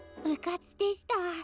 「うかつでした。